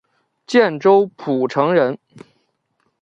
建州浦城人。